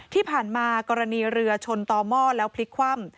ที่ผ่านมากรณีเรือชนต่อหม้อแล้วพลิกคว่ำ